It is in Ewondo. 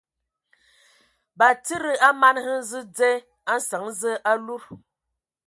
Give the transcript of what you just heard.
Batsidi a mana hm sɔ dzyē a nsəŋ Zǝə a ludǝtu.